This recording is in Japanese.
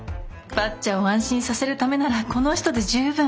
ばっちゃを安心させるためならこの人で十分。